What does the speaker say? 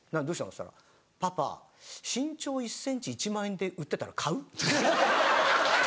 っつったら「パパ身長１ｃｍ１万円で売ってたら買う？」。